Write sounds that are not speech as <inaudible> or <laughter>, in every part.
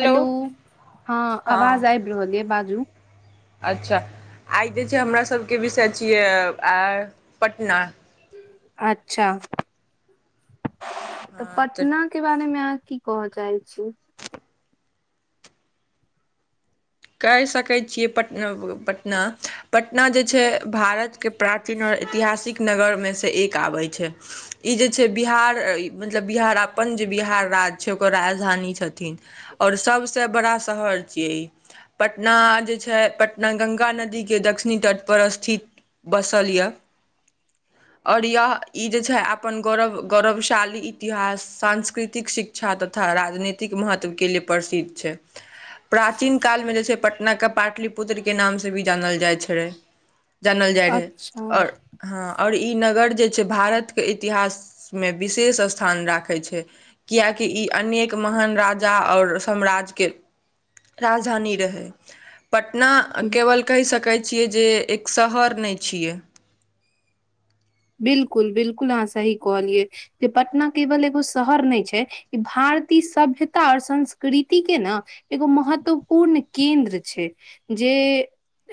Hello <unintelligible> हँ आवाज हँ आबि रहल यऽ बाजू। अच्छा आइ जे छै हमर सभके विषय छियै आ पटना। <unintelligible> अच्छा। <unintelligible> तऽ हँ तऽ पटना के बारेमे आ। <unintelligible> की कह जाइ छै। <unintelligible> कहि सकै छियै पटना -पटना- पटना जे छै भारतके प्राचीन आओर ऐतिहासिक नगरमे सँ एक आबै छै ई जे छै बिहार मतलब बिहार अपन जे बिहार राज्य छै ओकर राजधानी छथिन आओर सभसँ बड़ा शहर छियै ई। पटना जे छै पटना गंगा नदी के दक्षिणी तट पर स्थित बसल ये- और यह ई जे छै अपन गौरव गौरवशाली इतिहास सांस्कृतिक शिक्षा तथा राजनीतिक महत्व के लिए प्रसिद्ध छै <unintelligible> प्राचीन काल मे जे। पटना के पाटलिपुत्र के नाम से भी जानल जाइ छैे। <unintelligible> जानल जाइ रहै अच्छा आओर हँ -आओर ई नगर। जे छै भारत के इतिहास मे विशेष स्थान राखे छै किआाकि इ अनेक महान राजा और साम्राज्य के- राजधानी रहे। <unintelligible> पटना केवल कहि सकैत छी। <unintelligible> छ। <unintelligible> बिलकुल बिलकुल अहाँ सही कहलियै जे पटना केवल एगो शहर नहि छै ई भारतीय सभ्यता आओर संस्कृतिके ने एगो महत्वपूर्ण केन्द्र छै जे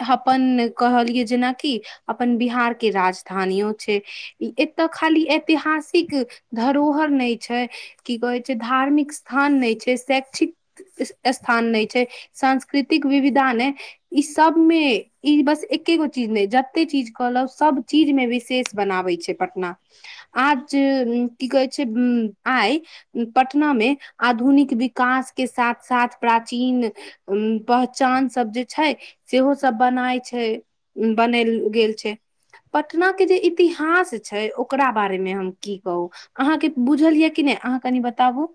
-अपन कहलियै जेनाकि अपन बिहारके राजधानियो।। एतऽ खाली तिहासिक धरोहर नहि छै की कहै छै धार्मिक स्थान नहि छै शैक्षिक स्थान नहि छै सांस्कृतिक विविधा नहि ई सबमे ई बस एकगो चीज नहि जते चीज सभ चीजमे विशेष। बनाबै छै पटना। आज की कहै छै उत्तम आइ पटनामे आधुनिक विकासके साथ-साथ प्राचीन उम्म पहचानसब जे छै, सेहोसब बनाय छै बनेल गेल छै। पटनाके जे इ- -तिहास छै, ओकरा बारेमे हम की कहू। अहाँके बुझल यए कि नहि? अहाँ कनि बताबू।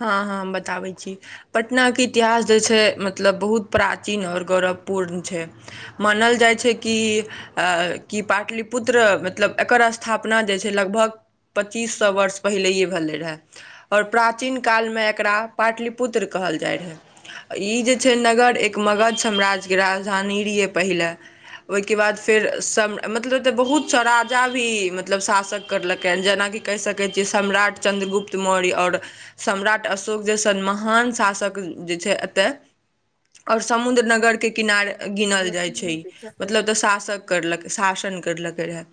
हँ हँ, हम बताबै छी। पटनाके इतिहास जे छै मतलब बहुत प्राचीन आओर गौरवपूर्ण छै। मानल जाइ छै कि अ कि पाटलिपुत्र मतलब एकर स्थापना जे छै लगभग पच्चीस सौ वर्ष पहिले भेलै रहए और प्रा- प्राचीन कालमे एकरा पाटलिपुत्र कहल जाइ रहै। ई जे छै नगर एक मगध साम्राज्यके राजधानी रहियै पहिले। ओहिके बाद फेर सम मतलब तऽ बहुत सा राजा भी मतलब शासक करलकै। जेनाकि कहि सकै छियै सम्राट चन्द्रगुप्त मौर्य और सम्राट अशोक जैसन महान शासक जे छै एतय, और समुन्द्र नगरके किनारे गिनल जाइ छै ई। मतलब शासक करलकै शासन करलकै रहए।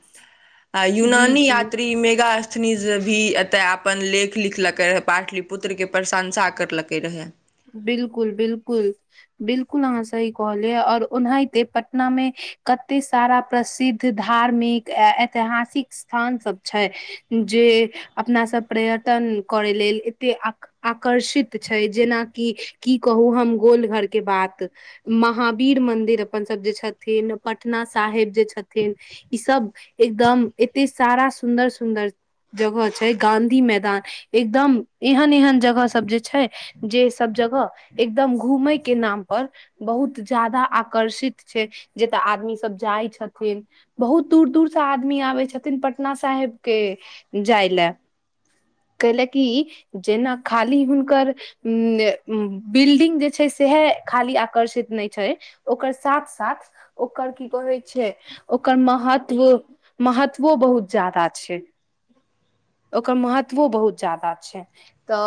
आ जी यूनानी जी यात्री मेगास्थनीज भी तऽ अपन लेख लिखलकै रहए। पाटलिपुत्रके प्रशंसा करलकै रहए। बिलकुल बिलकुल। बिलकुल, अहाँ सही कहलियै। और ओनाहिते पटनामे कतेक सारा प्रसिद्ध धार्मिक आ ऐतिहासिक स्थानसभ छै, जे अपनासभ पर्यटन करय लेल एतेक आक आकर्षित छै जेना कि की कहू हम गोलघरके बात। महावीर मन्दिर अपनसब जे छथिन, पटना साहेब जे छथिन, ईसब एकदम एतेक सारा सुन्दर-सुन्दर जगह छै गाँधी मैदान, एकदम एहन-एहन जगहसब जे छै जे सब जगह एकदम घमयके नामपर बहुत ज्यादा आकर्षित छै, जतय आदमीसब जाइ छथिन। बहुत दूर-दूरसे आदमी आबै छथिन पटना साहेबके जाय लए। कै ले की, जेना खाली हुनकर उम्म उम्म बिल्डिंग जे छै सएह खाली आकर्षित नहि छै, ओकर साथ-साथ ओकर की कहै छै, ओकर महत्व महत्वो बहुत ज्यादा छै। ओकर महत्वो बहुत ज्यादा छै, तऽ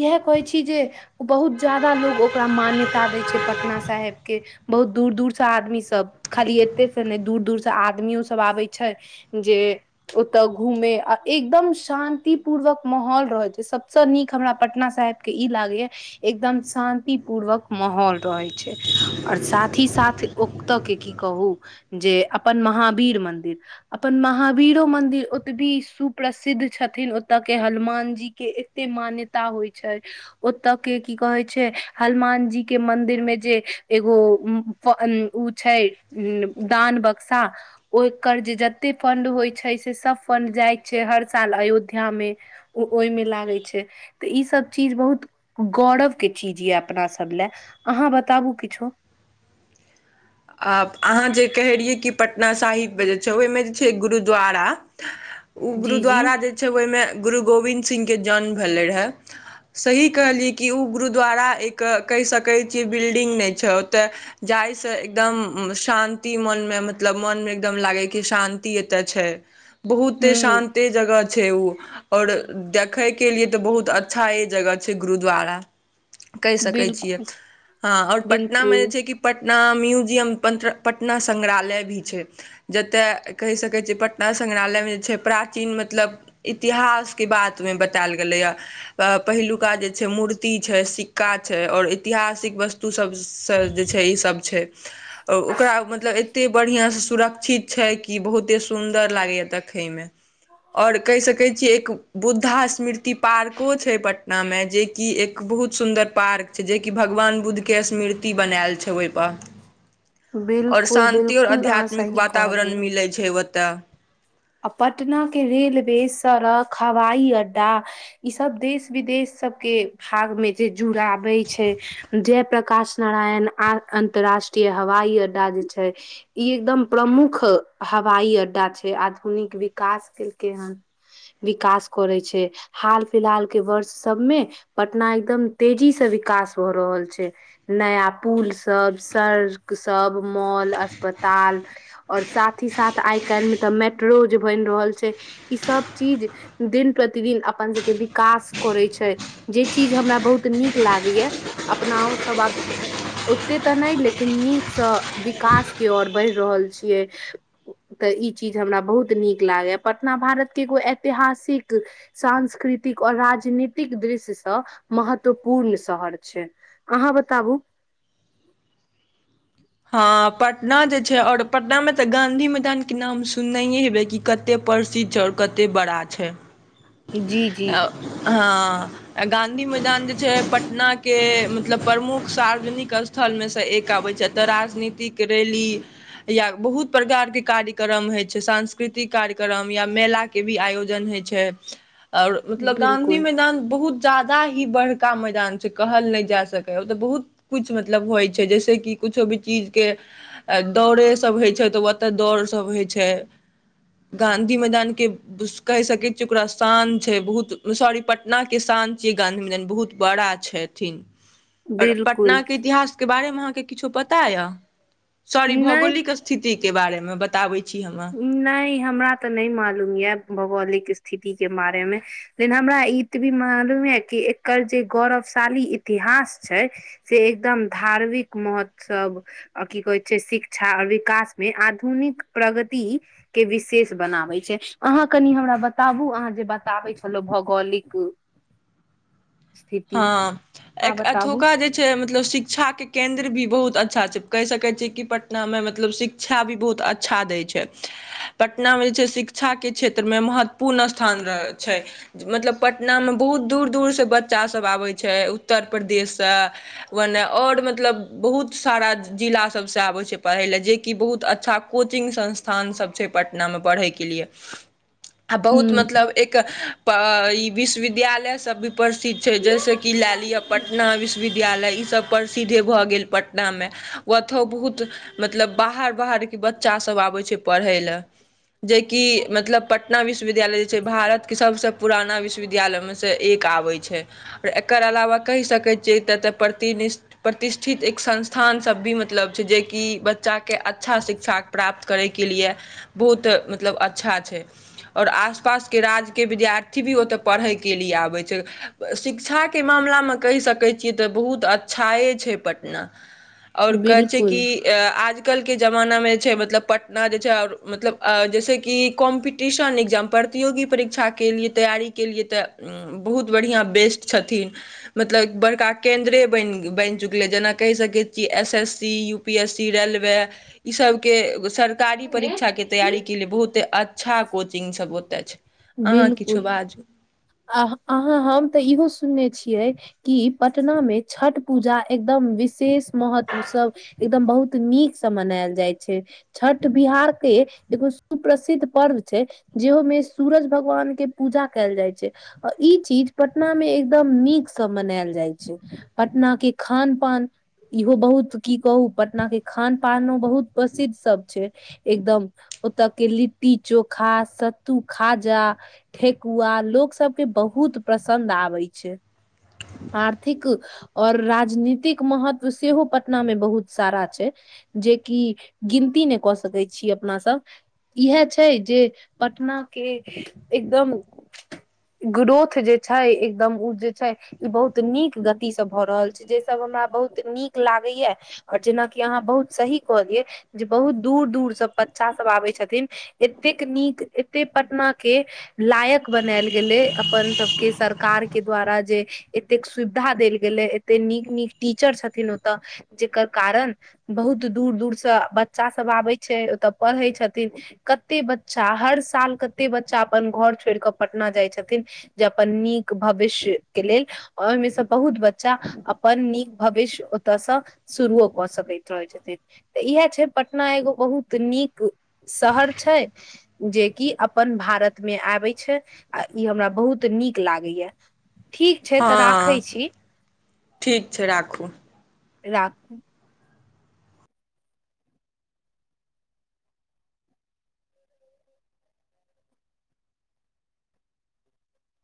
इएह कहै छी जे बहुत ज्यादा लोग ओकरा मान्यता दै छै पटना साहेबके। बहुत दूर-दूरसे आदमीसब, खाली एतहिसे नहि, दूर-दूरसे आदमिओ सब आबै छै, जे ओतय घूमे आ एकदम शान्ति पूर्वक माहौल रहै छै। सबसँ नीक हमरा पटना साहेबके ई लागैये एकदम शान्ति पूर्वक माहौल रहै छै। और साथ ही साथ जे ओतयके की कहू, जे अपन महावीर मन्दिर अपन महावीरो मंन्दिर ओतबी सुप्रसिद्ध छथिन। ओतयके हलुमान जीके एतेक मान्यता होइ छै तऽ के की कहै छै हलुमान जीके मन्दिरमे जे एगो उम्म ओ छै उम्म दान बक्सा ओकर जे जतेक फण्ड होइ छै, से सब फण्ड जाइ छै हर साल अयोध्यामे। ओ ओहिमे लागै छै, तऽ ईसब चीज बहुत गौरवके चीज यए अपनासभ लए। अहाँ बताबू किछो। आ अहाँ जे कहैत रहियै कि पटना साहिबमे जे छै, ओहिमे जे छै गुरुद्वारा ओ जी जी गुरुद्वारा जे छै, ओहिमे गुरु गोविन्द सिंहके जन्म भेलय रहए। सही कहलियै कि ओ गुरुद्वारा एक कहि सकै छियै बिल्डिंग नहि छै ओतय जाइसँ एकदम शान्ति मनमे मतलब मनमे एकदम लागै, कि शान्ति एतय छै। बहुते हूँ शान्ति जगह छै ऊ। और देखयके लिए तऽ बहुत अच्छाए जगह छै गुरुद्वारा। कहि सकैत छियै। बिल्कुल हँ, आओर पटनामे जे बिल्कुल छै, कि पट- ना म्यूज- जियम पट पटना सङ्ग्रहालय भी छै, जतय कहि सकै छियै पटना संगङ्ग्रहालयमे जे छै प्राचीन मतलब इतिहासके बातमे बतायल गेलैए। पहिलुका जे छै मूर्ति छै, सिक्का छै, और ऐतिहासिक वस्तु सबसँ जे छै ईसब छै। <unintelligible> अ ओकरा मतलब एत्ते बढ़िआँसँ सुरक्षित छै, कि बहुते सुन्दर लागैए देखयमे। और कहि सकै छियै, एक बुद्धा स्मृति पार्को छै पटनामे, जेकि एक बहुत सुन्दर पार्क छै। जेकि भगवान बुद्धके स्मृति बनायल छै ओहिपर। और बिल्कुल शान्ति और बिल्कुल अहाँ आध्यात्मिक सही वातावरण कहलियै मिलैत छै ओ- तऽ। आ पटनाके रेलवे सड़क, हवाई अड्डा, ईसभ देश विदेश सबके भागमे जे जुड़ाबे छै। जयप्रकाश नारायण आ अन्तर्राष्ट्रीय हवाई अड्डा जे छै, ई एकदम प्रमुख हवाई अड्डा छै आधु निक विकास केलकै हन। विकास करै छै। हाल-फिलहाल के वर्ष सबमे पटना एकदम तेजीसे विकास भऽ रहल छै। नया पुलसब सड़क सब, मॉल, अस्पताल और साथ ही साथ आइ काल्हिमे तऽ मे- रोज बनि रहल छै। ईसब चीज दिन-प्रतिदिन अपन सबके विकास करै छै, जे चीज हमरा बहुत नीक लागैये। अपनाओ सब आब ओते तऽ नहि, लेकिन नीकसँ विकासके ओर बढ़ि रहल छियै। तऽ ई ची- ज हमरा बहुत नीक लागैए। पटना भारतके एगो ऐतिहासिक, सांस्कृतिक और राजनीतिक दृश्यसँ महत्वपूर्ण शहर छै। अहाँ बताबू। हँ, पटना जे छै और पटनामे तऽ गाँधी मैदानके नाम सुननहिए हेबै, कि कतेक प्रसिद्ध छै आओर कतेक बड़ा छै। जी जी। हँ, आ गाँधी मैदान जे छै पटनाके मतलब प्रमुख सार्वजनिक स्थलमे सँ एक आबै छथि। त राजनीतिक रैली या बहुत प्रकार के कार्यक्रम होइ छै, सांस्कृतिक कार्यक्रम या मेलाके भी आयोजन होइ छै। और मतलब गांधी बिल्कुल मैदान बहुत ज्यादा ही बड़का मैदान छै, कहल नहि जा सकैए। ओतय बहुत कुछ मतलब होइ छै, जैसेकि कुछो भी चीज के दौड़े सब होइ छै त ओत दौड़ सब होइ छै, गाँधी मैदान के कहि सकै छियै ओकरा शान छै बहुत सॉरी पटना के शान छियै गाँंधी मैदान, बहुत बड़ा छथिन। और पटना बिल्कुल के इतिहास के बारेमे अहांके किछु पता य। सॉरी भौगोलिक स्थिति के बारे मे बताबै छी हम अहाँके नै। हमरा ते नै मालुम ये भौगोलिक स्थिति के बारे मे लेकिन हमरा इतवी मालुम ये कि एकर जे गौरवशाली इतिहास छै से एकदम धार्मिक महोत्सव आ की कहै छै शिक्षा और विकास मे आधुनिक प्रग ति के विशेष बनाबै छै। अहां कनि हमरा बताबु अहां जे बताबै छलहुं भौगोलिक स्थिति हां, अहाँ एक बताबू एतुका जे छै मतलब शि क्षाके केन्द्र भी बहुत अच्छा छै, कहि सकै छियै कि पटनामे मतलब शिक्षा भी बहुत अच्छा दै छै, पटनामे जे छै शिक्षाके क्षेत्रमे महत्वपूर्ण स्थान रह छै, मतलब पटनामे बहुत दूर दूरसे ब च्चा सब आबै छै, उत्तर प्रदेश से, मने और मतलब बहुत सारा जिला सबसे आबै छै पढ़य ले, जे कि बहुत अच्छा कोचिंग संस्थान सब छै पटना मे पढ़ैके लिए, आ ह बहुत मतलब एक इ विश्वविद्यालय सैह सब परिस्थि ति छै जैसे कि ले लिअ पटना विश्विद्या विद्यालय इ सब प्रसिद्धे भ गेल पटना मे, ओतहु बहुत मतलब बाहर-बाहरके बच्चा सभ आबै छै पढ़य लए। जेकि मतलब पटना विश्वविद्यालय जे छै भारत के सबसे पुराना विश्वविद्यालय विद्यालय में से एक आबै छै। एकर अलावा कहि सकैत छियै त त प्रतिदिस प्रति ठित एक संस्थान सब भी मतलब छै जेकि बच्चा के अच्छा शिक्षा प्राप्त करै के लिए बहुत मतलब अच्छा छै। और आस-पासके राज्यके विद्यार्थी भी ओतय पढ़यके लिए आबै छै। शिक्षाके मामलामे कहि सकैत छियै त बहुत अ च्छाये छै पटना, और कहै छै कि बिलकुल आजकल के जमाना माना में जे छै मतलब पटना जे छै मतलब जैसे कि कॉम्पीटिशन इग्जाम प्रतियोगी परीक्षा के लिए तैयारी के लिए ते बहुत बढ़िया बेस्ट छथिन। मतलब बड़का केन्द्रे बैन बैन चुकलै, जेना कहि सकै छियै कि S S C, UPSC, railway, इ सबके हर कारी परीक्षा के तैयारी के लिए बहुते अच्छा कोचिंग सब ओतय छै। अहां बिलकुल किछो बाजु। आह- अहाँ हम तऽ इहो सुनने छियै कि पटना मे छठ पुजा एकदम विशेष महत्व सं एकदम बहुत नीकसं मनायल जाइ छै। छठ बिहार के देखियौ सुप्रसिद्ध पर्व छै जेहो मे सुरज भगवान के पुजा कयल जाय छै आ ई चीज पटना मे एकदम नीक से मनायल जाइ छै। पटना के खान पान इहो बहुत की कहु पटना के खान पानो बहुत प्रसिद्ध सब छै एकदम। ओतय के लि लट्टी चोखा, सत्तू खाजा, ठेकुआ लोक सब के बहुत पसन्द आबे छै, आर्थिक और राजनीतिक महत्व सेहो पटना मे बहुत सारा छै, जेकि गिनती ने कऽ सकै छी अपना सब। इहे छै जे पटना के एकदम ग्रोथ जे छै एकदम उ जे छै ई बहुत नीक गति से भऽ रहल छै, जे सब हमरा बहुत नीक लागे य और जेनाकि अहाँ बहुत सही कहलियए जे बहुत दूर-दूर सब बच्चा सब आबै छथिन। एतेक नीक, एते पटना के लायक बनायल गेलै, अपन सबके सरकार के द्वारा जे एतेक सुविधा देल गेलै एते नीक-नीक टीचर छथिन ओतऽ जेकर कारण बहुत दूर दूरसँ बच्चा सब आबै छै ओतऽ पढ़ै छथिन। कते बच्चा हर साल कते बच्चा अपन घर छोड़ि कऽ पटना जाइ छथिन, जे अपन नीक भविष्यके लेल ओहिमेसँ बहुत बच्चा अपन नीक भविष्य ओतयसँ शुरुओ कऽ सकैत रहैत छथिन। तऽ इएह छै पटना एगो बहुत नीक शहर। छै जेकि अपन भारत मे आबै छै आ इ हमरा बहुत नीक लागैये। ठीक छै त राखै हँ छी। ठीक छै राखू। राखू।